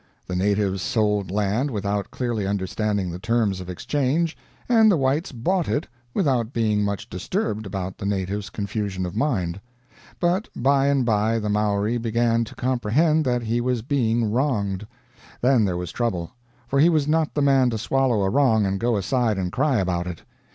The natives sold land without clearly understanding the terms of exchange, and the whites bought it without being much disturbed about the native's confusion of mind. But by and by the Maori began to comprehend that he was being wronged; then there was trouble, for he was not the man to swallow a wrong and go aside and cry about it.